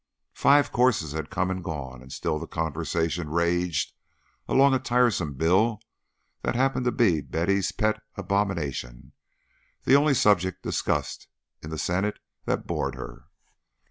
Five courses had come and gone, and still the conversation raged along a tiresome bill that happened to be Betty's pet abomination, the only subject discussed in the Senate that bored her.